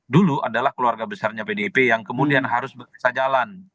dulu adalah keluarga besarnya pdip yang kemudian harus bekerjalan